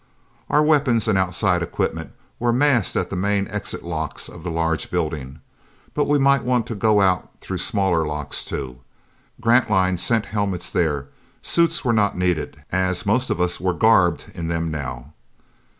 Our weapons and outside equipment were massed at the main exit locks of the large building. But we might want to go out through smaller locks too. Grantline sent helmets there; suits were not needed, as most of us were garbed in them now.